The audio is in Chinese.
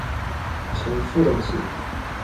呈覆斗形。